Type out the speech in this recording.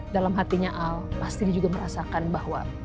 dalam hatinya al pasti dia juga merasakan bahwa